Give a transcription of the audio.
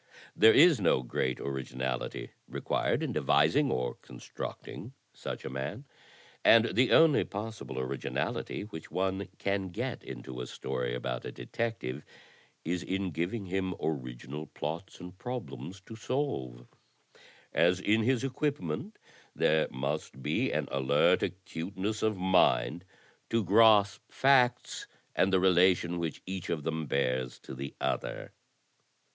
There is no great originality required in devising or constructing such a man, and the only possible originality which one can get into a story about a detective is in giving him original plots and problems to solve, as in his equipment there must be an alert acuteness of mind to grasp facts and the relation which each of them bears to the other."